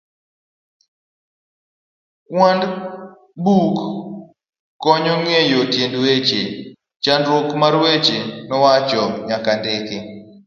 kwand buk konyo Ng'eyo Tiend Weche, chakruok mag weche mowach nyaka ndik.